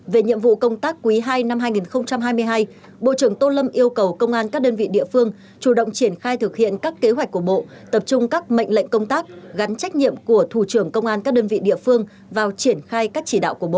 về nhiệm vụ công tác quý ii năm hai nghìn hai mươi hai bộ trưởng tô lâm yêu cầu công an các đơn vị địa phương chủ động triển khai thực hiện các kế hoạch của bộ tập trung các mệnh lệnh công tác gắn trách nhiệm của thủ trưởng công an các đơn vị địa phương vào triển khai các chỉ đạo của bộ